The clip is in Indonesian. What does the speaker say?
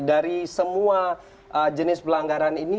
dari semua jenis pelanggaran ini